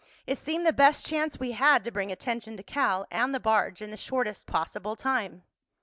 It seemed the best chance we had to bring attention to Cal and the barge in the shortest possible time."